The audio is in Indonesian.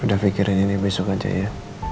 udah pikirin ini besok aja ya